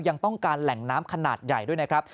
ยังต้องการแหล่งน้ำขนาดใหญ่ด้วยนะครับ